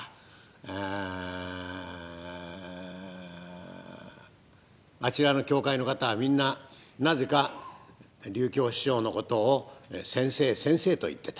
ええあちらの協会の方はみんななぜか柳橋師匠のことを「先生先生」と言っていた。